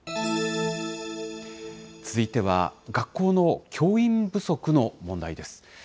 続いては、学校の教員不足の問題です。